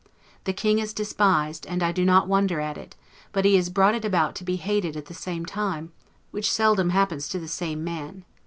The King is despised and I do not wonder at it; but he has brought it about to be hated at the same time, which seldom happens to the same man.